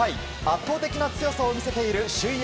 圧倒的な強さを見せている首位